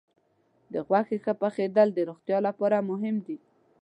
د غوښې ښه پخېدل د روغتیا لپاره مهم دي.